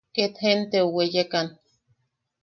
Ket jenteu weyekan.